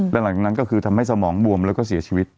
แล้วหลังจากนั้นก็คือทำให้สมองบวมแล้วก็เสียชีวิต